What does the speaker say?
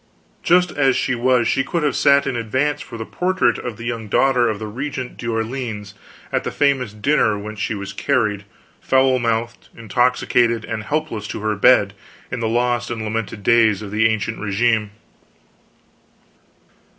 Just as she was she could have sat in advance for the portrait of the young daughter of the Regent d'Orleans, at the famous dinner whence she was carried, foul mouthed, intoxicated, and helpless, to her bed, in the lost and lamented days of the Ancient Regime.